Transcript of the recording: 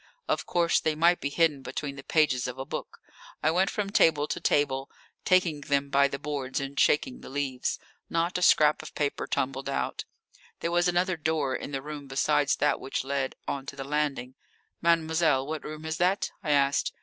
Of course they might be hidden between the pages of a book. I went from table to table, taking them by the boards and shaking the leaves. Not a scrap of paper tumbled out. There was another door in the room besides that which led on to the landing. "Mademoiselle, what room is that?" I asked.